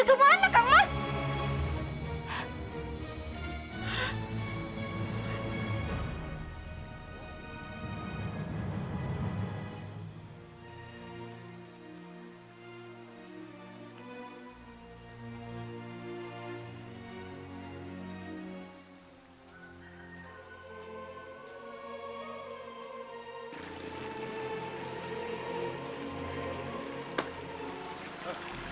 jangan sekarang jangan sekarang